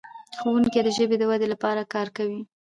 ښوونکي د ژبې د ودې لپاره کار کوي.